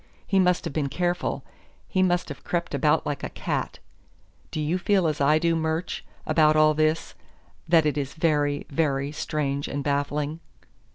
He must have been careful. He must have crept about like a cat.... Do you feel as I do, Murch, about all this: that it is very, very strange and baffling?"